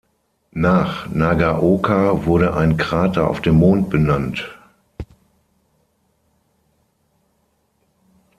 Nach Nagaoka wurde ein Krater auf dem Mond benannt.